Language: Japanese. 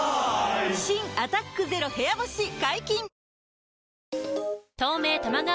新「アタックＺＥＲＯ部屋干し」解禁‼